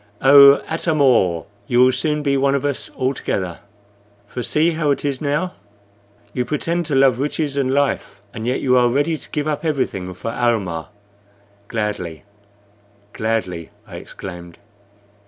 Oh, Atam or! you will soon be one of us altogether. For see, how is it now? You pretend to love riches and life, and yet you are ready to give up everything for Almah." "Gladly, gladly!" I exclaimed.